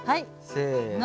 せの。